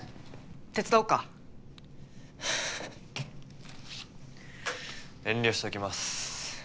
手伝おうか？はあ遠慮しときます。